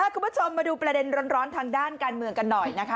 คุณผู้ชมมาดูประเด็นร้อนทางด้านการเมืองกันหน่อยนะคะ